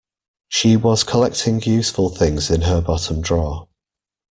She was collecting useful things in her bottom drawer